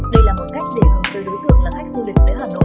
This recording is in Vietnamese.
đây là một cách để hướng tới đối tượng là khách du lịch tới hà nội